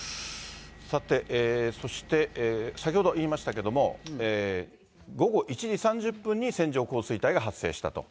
さて、そして、先ほど言いましたけれども、午後１時３０分に線状降水帯が発生したと。